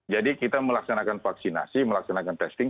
jadi kita melaksanakan vaksinasi melaksanakan testing